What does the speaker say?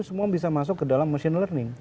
semua bisa masuk ke dalam machine learning